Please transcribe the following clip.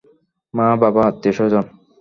মা, বাবা, আত্মীয়স্বজন।